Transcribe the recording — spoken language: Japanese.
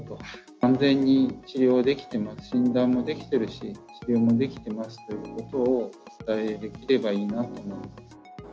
安全に治療できて、診断もできてるし、治療もできていますということを、お伝えできればいいなと思います。